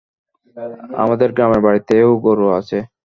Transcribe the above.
আমাদের গ্রামের বাড়িতেও গরু আছে।